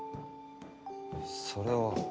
それは。